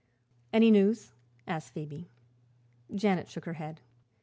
"Any news?" asked Phoebe. Janet shook her head.